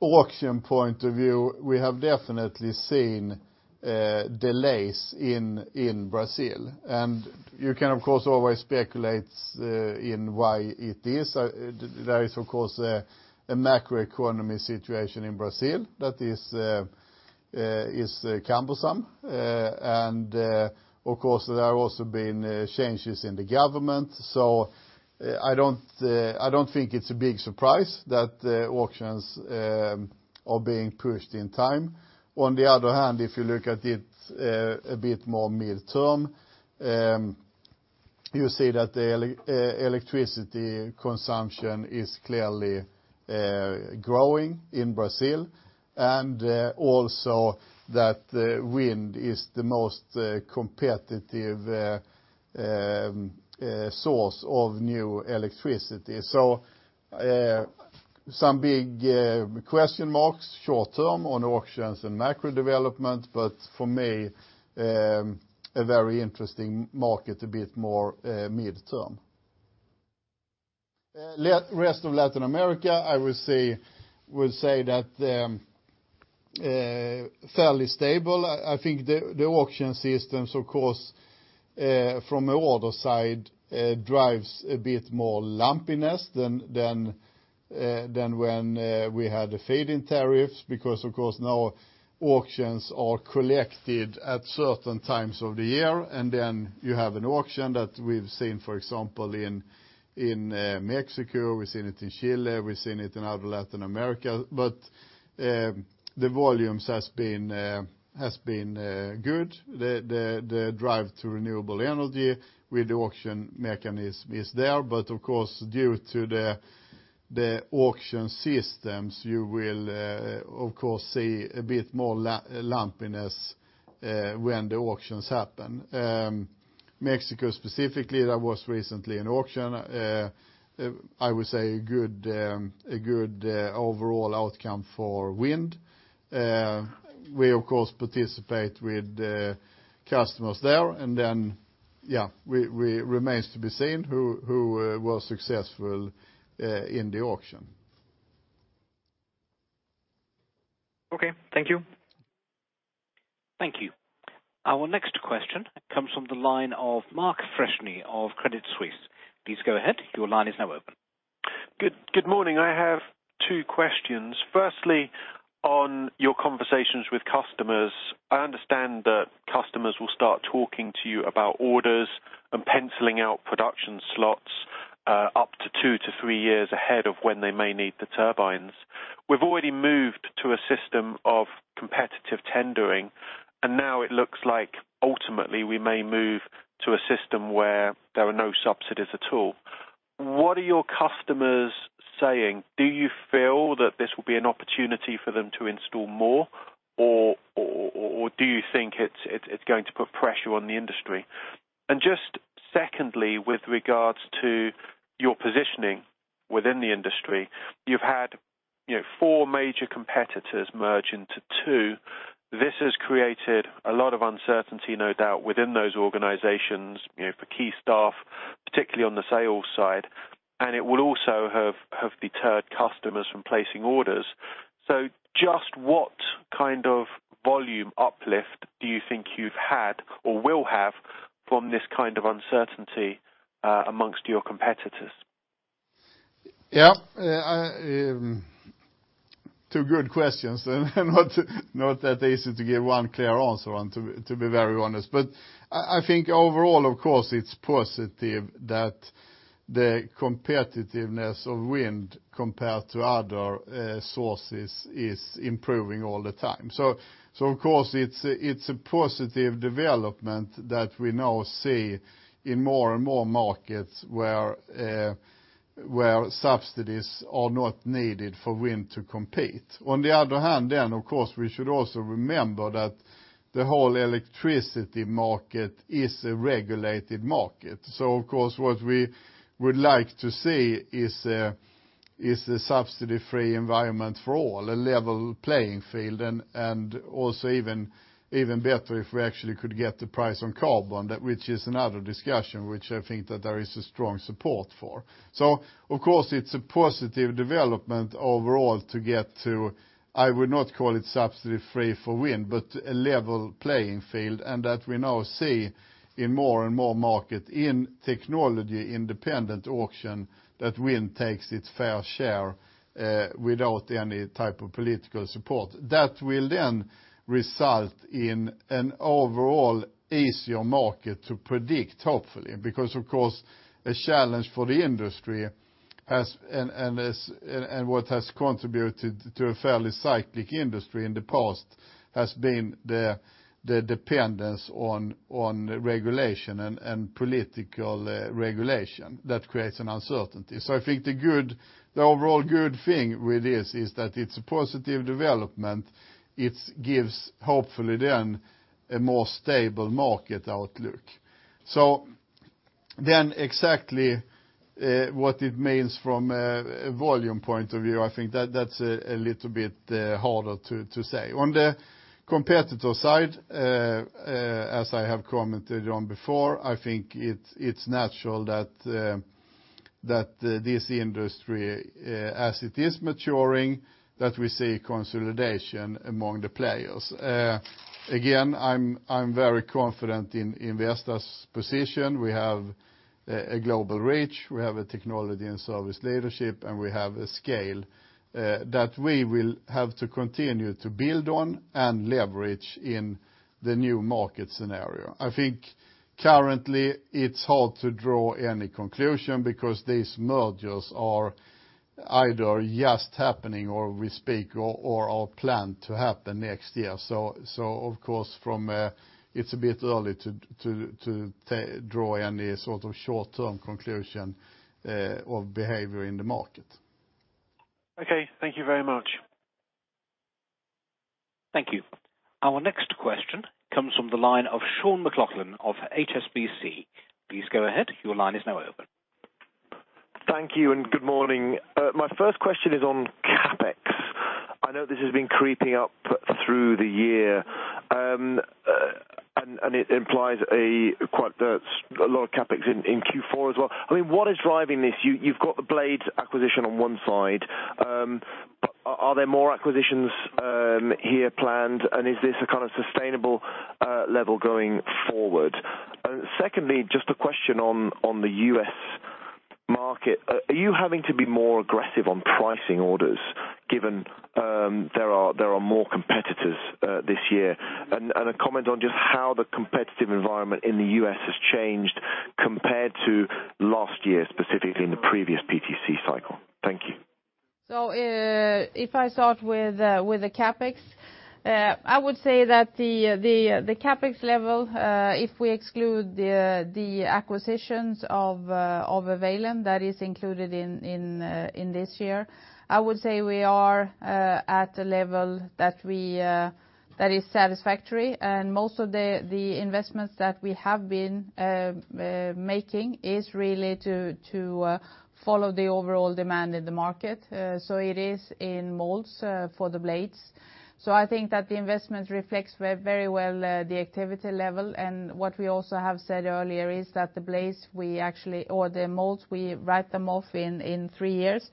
auction point of view, we have definitely seen delays in Brazil. You can, of course, always speculate in why it is. There is, of course, a macroeconomy situation in Brazil that is cumbersome. Of course, there have also been changes in the government. I don't think it's a big surprise that auctions are being pushed in time. On the other hand, if you look at it a bit more midterm, you see that the electricity consumption is clearly growing in Brazil, and also that wind is the most competitive source of new electricity. Some big question marks short term on auctions and macro development, but for me, a very interesting market, a bit more midterm. Rest of Latin America, I will say that fairly stable. I think the auction systems, of course, from a order side, drives a bit more lumpiness than when we had the feed-in tariffs because, of course, now auctions are collected at certain times of the year, and then you have an auction that we've seen, for example, in Mexico, we've seen it in Chile, we've seen it in other Latin America. The volumes has been good. The drive to renewable energy with the auction mechanism is there, but of course, due to the auction systems, you will, of course, see a bit more lumpiness, when the auctions happen. Mexico specifically, there was recently an auction, I would say a good overall outcome for wind. We, of course, participate with customers there and then, yeah, remains to be seen who was successful in the auction. Okay. Thank you. Thank you. Our next question comes from the line of Mark Freshney of Credit Suisse. Please go ahead. Your line is now open. Good morning. I have two questions. Firstly, on your conversations with customers, I understand that customers will start talking to you about orders and penciling out production slots up to two to three years ahead of when they may need the turbines. We've already moved to a system of competitive tendering, and now it looks like ultimately we may move to a system where there are no subsidies at all. What are your customers saying? Do you feel that this will be an opportunity for them to install more or do you think it is going to put pressure on the industry? Secondly, with regards to your positioning within the industry, you've had four major competitors merge into two. This has created a lot of uncertainty, no doubt, within those organizations for key staff, particularly on the sales side, and it will also have deterred customers from placing orders. Just what kind of volume uplift do you think you've had or will have from this kind of uncertainty amongst your competitors? Yeah. Two good questions. Not that easy to give one clear answer on, to be very honest. I think overall, of course, it is positive that the competitiveness of wind compared to other sources is improving all the time. Of course, it is a positive development that we now see in more and more markets where subsidies are not needed for wind to compete. On the other hand, then, of course, we should also remember that the whole electricity market is a regulated market. Of course, what we would like to see is a subsidy-free environment for all, a level playing field, and also even better if we actually could get the price on carbon, which is another discussion, which I think that there is a strong support for. Of course, it's a positive development overall to get to, I would not call it subsidy-free for wind, but a level playing field, and that we now see in more and more market in technology-independent auction, that wind takes its fair share without any type of political support. That will result in an overall easier market to predict, hopefully, because of course, a challenge for the industry and what has contributed to a fairly cyclical industry in the past has been the dependence on regulation and political regulation. That creates an uncertainty. I think the overall good thing with this is that it's a positive development. It gives, hopefully then, a more stable market outlook. Exactly what it means from a volume point of view, I think that's a little bit harder to say. On the competitor side, as I have commented on before, I think it's natural that this industry, as it is maturing, that we see consolidation among the players. Again, I'm very confident in Vestas' position. We have a global reach, we have a technology and service leadership, and we have a scale that we will have to continue to build on and leverage in the new market scenario. I think currently it's hard to draw any conclusion because these mergers are either just happening as we speak, or are planned to happen next year. Of course, it's a bit early to draw any sort of short-term conclusion of behavior in the market. Okay. Thank you very much. Thank you. Our next question comes from the line of Sean McLoughlin of HSBC. Please go ahead. Your line is now open. Thank you and good morning. My first question is on CapEx. I know this has been creeping up through the year. It implies a lot of CapEx in Q4 as well. What is driving this? You've got the blades acquisition on one side. Are there more acquisitions here planned, and is this a kind of sustainable level going forward? Secondly, just a question on the U.S. market. Are you having to be more aggressive on pricing orders given there are more competitors this year? A comment on just how the competitive environment in the U.S. has changed compared to last year, specifically in the previous PTC cycle. Thank you. If I start with the CapEx, I would say that the CapEx level, if we exclude the acquisitions of Availon, that is included in this year, I would say we are at a level that is satisfactory. Most of the investments that we have been making is really to follow the overall demand in the market. It is in molds for the blades. I think that the investment reflects very well the activity level. What we also have said earlier is that the blades we actually, or the molds, we write them off in three years.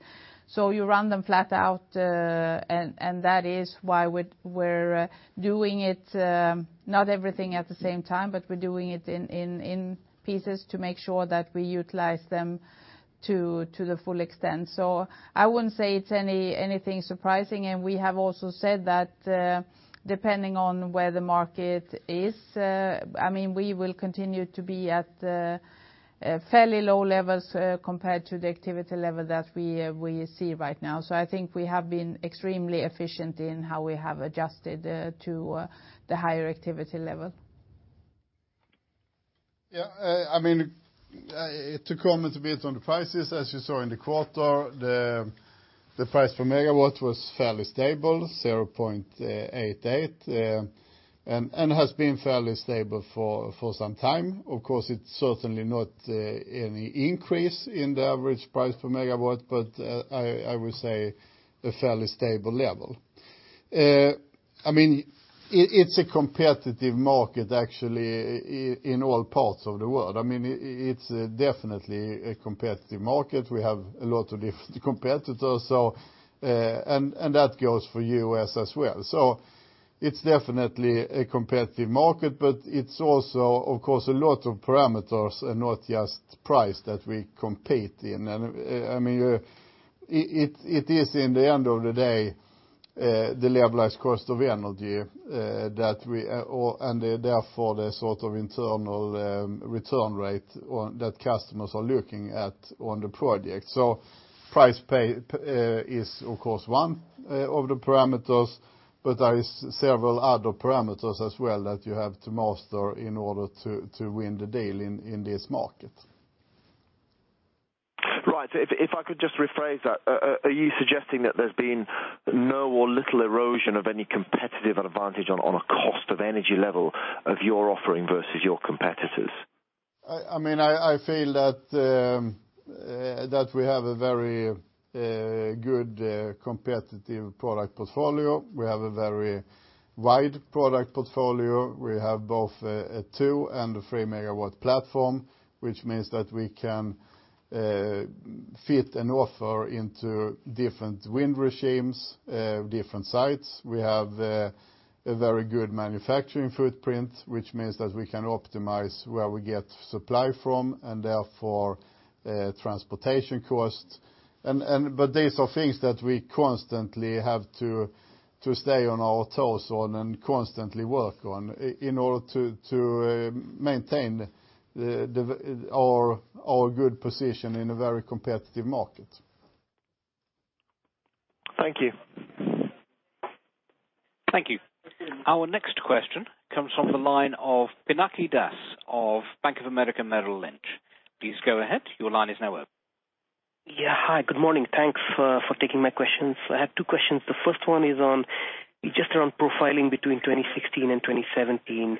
You run them flat out, and that is why we're doing it, not everything at the same time, but we're doing it in pieces to make sure that we utilize them to the full extent. I wouldn't say it's anything surprising, and we have also said that, depending on where the market is, we will continue to be at fairly low levels compared to the activity level that we see right now. I think we have been extremely efficient in how we have adjusted to the higher activity level. Yeah. To comment a bit on the prices, as you saw in the quarter, the price per megawatt was fairly stable, 0.88, and has been fairly stable for some time. It's a competitive market, actually, in all parts of the world. It's definitely a competitive market. We have a lot of different competitors, and that goes for U.S. as well. It's definitely a competitive market, but it's also, of course, a lot of parameters and not just price that we compete in. It is, in the end of the day, the levelized cost of energy, and therefore, the sort of internal return rate that customers are looking at on the project. Price is, of course, one of the parameters, but there is several other parameters as well that you have to master in order to win the deal in this market. Right. If I could just rephrase that, are you suggesting that there's been no or little erosion of any competitive advantage on a cost of energy level of your offering versus your competitors? I feel that we have a very good competitive product portfolio. We have a very wide product portfolio. We have both a two and a three-megawatt platform, which means that we can fit an offer into different wind regimes, different sites. We have a very good manufacturing footprint, which means that we can optimize where we get supply from, and therefore, transportation costs. These are things that we constantly have to stay on our toes on and constantly work on in order to maintain our good position in a very competitive market. Thank you. Thank you. Our next question comes from the line of Pinaki Das of Bank of America Merrill Lynch. Please go ahead. Your line is now open. Yeah. Hi, good morning. Thanks for taking my questions. I have two questions. The first one is just around profiling between 2016 and 2017.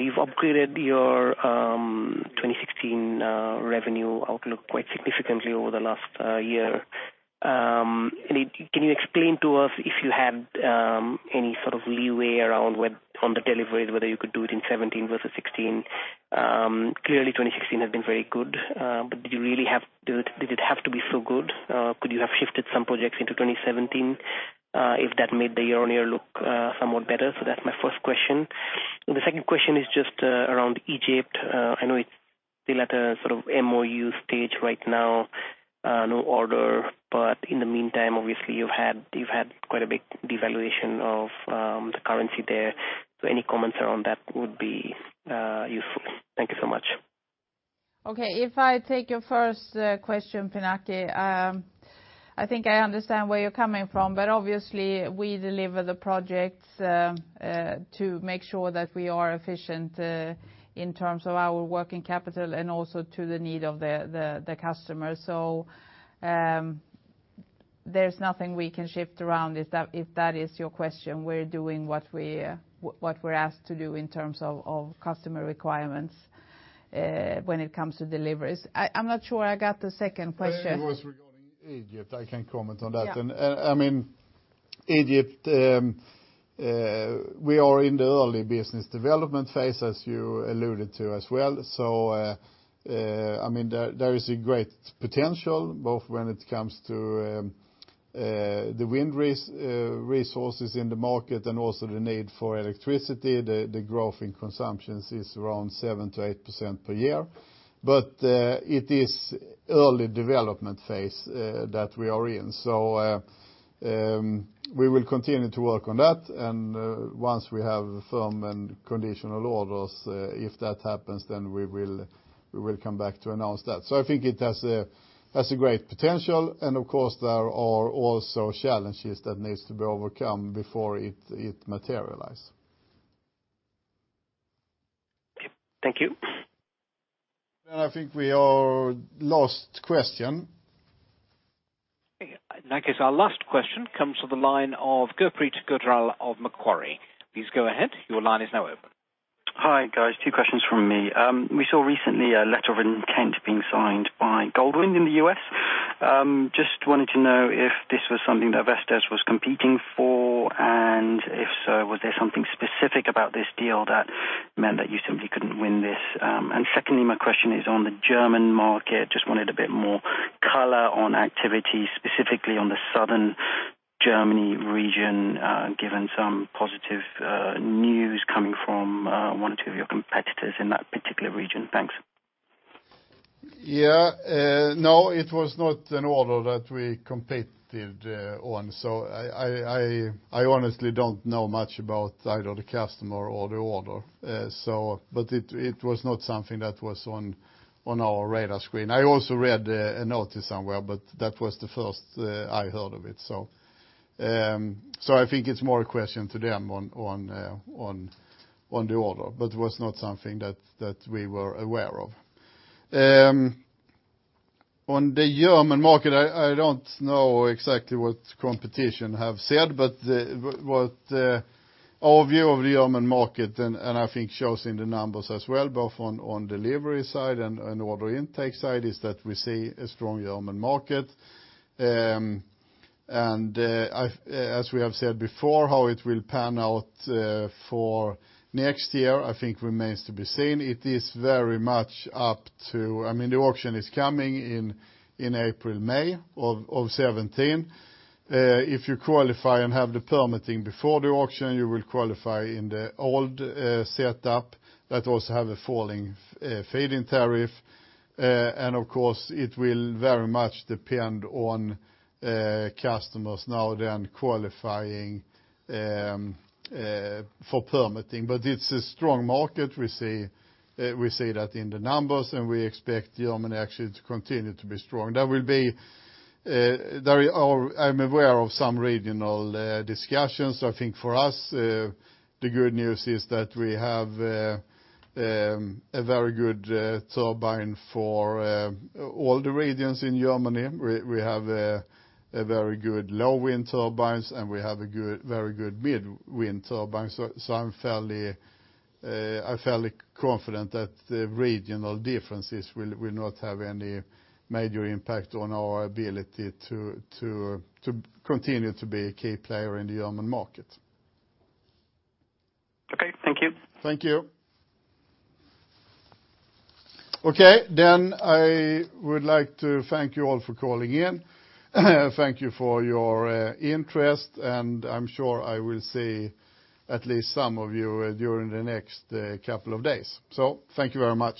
You've upgraded your 2016 revenue outlook quite significantly over the last year. Can you explain to us if you had any sort of leeway around on the deliveries, whether you could do it in 2017 versus 2016? Clearly, 2016 has been very good. Did it have to be so good? Could you have shifted some projects into 2017 if that made the year-on-year look somewhat better? That's my first question. The second question is just around Egypt. I know it's still at a sort of MoU stage right now, no order. In the meantime, obviously, you've had quite a big devaluation of the currency there. Any comments around that would be useful. Thank you so much. Okay. If I take your first question, Pinaki, I think I understand where you're coming from, obviously, we deliver the projects to make sure that we are efficient in terms of our working capital and also to the need of the customer. There's nothing we can shift around, if that is your question. We're doing what we're asked to do in terms of customer requirements when it comes to deliveries. I'm not sure I got the second question. It was regarding Egypt. I can comment on that. Yeah. Egypt, we are in the early business development phase, as you alluded to as well. There is a great potential, both when it comes to the wind resources in the market and also the need for electricity. The growth in consumptions is around 7%-8% per year. It is early development phase that we are in. We will continue to work on that, and once we have firm and conditional orders, if that happens, then we will come back to announce that. I think it has a great potential, and of course, there are also challenges that needs to be overcome before it materialize. Thank you. I think we are last question. Okay. In that case, our last question comes to the line of Gurpreet Gujral of Macquarie. Please go ahead. Your line is now open. Hi, guys. Two questions from me. We saw recently a letter of intent being signed by Goldwind in the U.S. Just wanted to know if this was something that Vestas was competing for, and if so, was there something specific about this deal that meant that you simply couldn't win this? Secondly, my question is on the German market. Just wanted a bit more color on activity, specifically on the Southern Germany region, given some positive news coming from one or two of your competitors in that particular region. Thanks. Yeah. No, it was not an order that we competed on. I honestly don't know much about either the customer or the order. It was not something that was on our radar screen. I also read a notice somewhere, but that was the first I heard of it. I think it's more a question to them on the order, but it was not something that we were aware of. On the German market, I don't know exactly what competition have said, but what our view of the German market, and I think shows in the numbers as well, both on delivery side and order intake side, is that we see a strong German market. As we have said before, how it will pan out for next year, I think remains to be seen. The auction is coming in April, May of 2017. If you qualify and have the permitting before the auction, you will qualify in the old setup that also have a falling feed-in tariff. Of course, it will very much depend on customers now then qualifying for permitting. It's a strong market. We see that in the numbers, and we expect Germany actually to continue to be strong. I'm aware of some regional discussions. I think for us, the good news is that we have a very good turbine for all the regions in Germany. We have a very good low wind turbines, and we have a very good mid wind turbines. I'm fairly confident that the regional differences will not have any major impact on our ability to continue to be a key player in the German market. Okay. Thank you. Thank you. Okay, I would like to thank you all for calling in. Thank you for your interest, and I am sure I will see at least some of you during the next couple of days. Thank you very much.